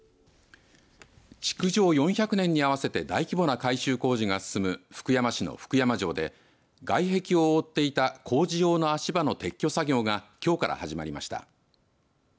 築城４００年に合わせて大規模な改修工事が進む福山市の福山城で外壁を覆っていた工事用の足場の撤去作業がきょうから始まりました。